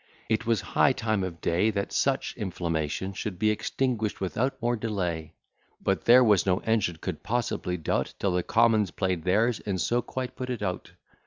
It was high time of day That such inflammation should be extinguish'd without more delay: But there was no engine could possibly do't, Till the commons play'd theirs, and so quite put it out.